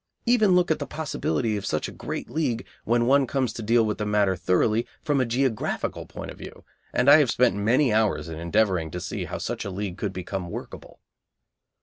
Even look at the possibility of such a great league when one comes to deal with the matter thoroughly from a geographical point of view, and I have spent many hours in endeavouring to see how such a league could become workable.